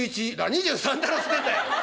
「２３だろっつってんだよ」。